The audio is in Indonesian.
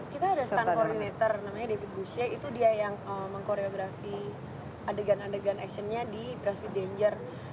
kita ada stun koordinator namanya david busha itu dia yang mengkoreografi adegan adegan actionnya di brush with danger